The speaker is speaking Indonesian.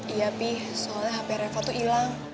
iya bi soalnya hp reva tuh ilang